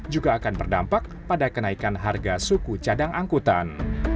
juga akan berdampak pada kenaikan harga suku cadang angkutan